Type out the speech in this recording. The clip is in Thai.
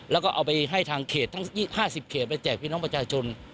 แล้วก็เอาไปให้ทางเขตทั้ง๕๐เขตไปแจกพี่น้องประชาชน